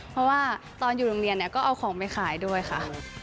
เพราะว่าตอนอยู่โรงเรียนเนี่ยก็เอาของไปขายด้วยค่ะ